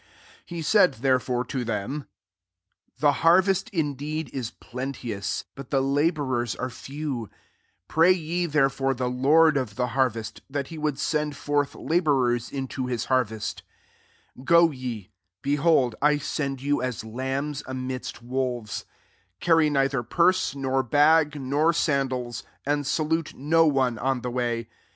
3 He said therefore' to tlMai, " The' harvest indeed '*lr]ric»» teous, irat the liUbotfrera awe§&wi pray ye therefore the liOBi*%f the harvest, that he would isand forth labourers int» his tiarveat. 3 €k) ye : behold^ I settd fan, as lambs amidst wolves^ 4 Car* rj neither purse^ nor bag,' nor sandals ; and salute no one oo the way.